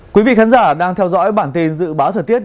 quý vị khán giả đang theo dõi bản tin dự báo thời tiết